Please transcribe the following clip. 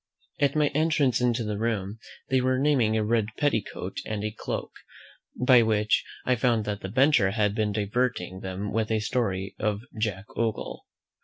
At my entrance into the room, they were naming a red petticoat and a cloak, by which I found that the Bencher had been diverting them with a story of Jack Ogle.